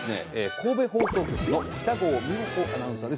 神戸放送局の北郷三穂子アナウンサーです。